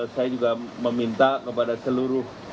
saya juga meminta kepada seluruh